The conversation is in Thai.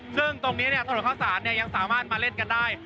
ซึ่งตรงนี้เนี่ยสถานการณ์ข้าวศาลเนี่ยยังสามารถมาเล่นกันได้